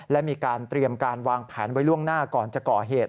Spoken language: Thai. และมีการเตรียมการวางแผนไว้ล่วงหน้าก่อนจะก่อเหตุ